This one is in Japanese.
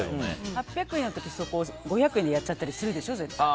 ８００円の時、５００円でやっちゃったりするでしょ。